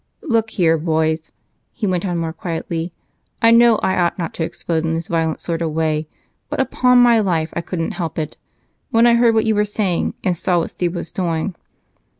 "Look here, boys," he went on more quietly, "I know I ought not to explode in this violent sort of way, but upon my life I couldn't help it when I heard what you were saying and saw what Steve was doing.